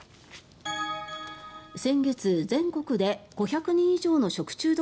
先月、全国で５００人以上の食中毒